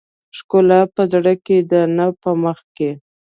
ښکلا په زړه کې ده نه په مخ کې .